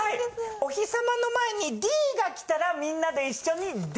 おひさまの前に「Ｄ」がきたらみんなで一緒に「Ｄ！」。